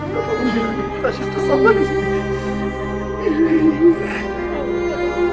kasih tersama disini